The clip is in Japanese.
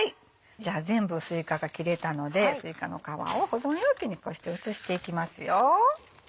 じゃあ全部すいかが切れたのですいかの皮を保存容器にこうして移していきますよ。